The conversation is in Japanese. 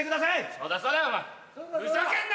そうだそうだふざけんな！